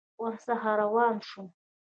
ورڅخه روان شوم.